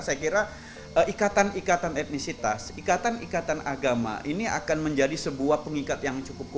saya kira ikatan ikatan etnisitas ikatan ikatan agama ini akan menjadi sebuah pengikat yang cukup kuat